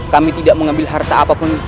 kami tidak mengambil harta apapun